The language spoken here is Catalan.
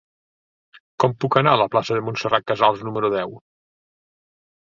Com puc anar a la plaça de Montserrat Casals número deu?